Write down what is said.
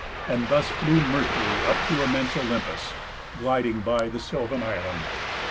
And thus flew Mercury Up to immense Olympus, gliding by The sylvan island.